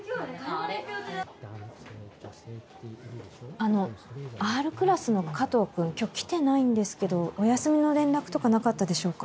あのＲクラスの加藤君今日来てないんですけどお休みの連絡とかなかったでしょうか？